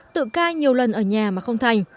tự cai nhiều lần ở nhà mà không thành